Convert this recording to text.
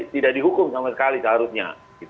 tidak dihukum sama sekali seharusnya